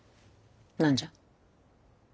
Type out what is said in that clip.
何じゃ。